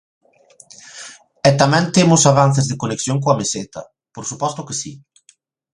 E tamén temos avances de conexión coa Meseta, por suposto que si.